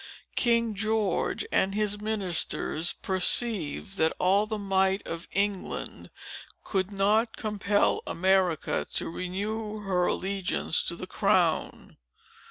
King George and his ministers perceived, that all the might of England could not compel America to renew her allegiance to the crown.